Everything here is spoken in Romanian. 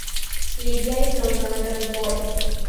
Libia este o zonă de război.